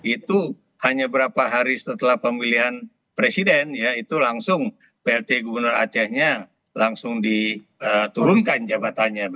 itu hanya beberapa hari setelah pemilihan presiden ya itu langsung plt gubernur acehnya langsung diturunkan jabatannya